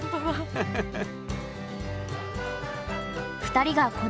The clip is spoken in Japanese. ハハハハ。